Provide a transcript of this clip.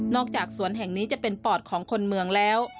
จากสวนแห่งนี้จะเป็นปอดของคนเมืองแล้ว